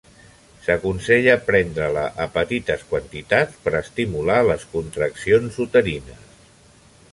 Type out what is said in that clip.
S'aconsella prendre-la a petites quantitats per estimular les contraccions uterines.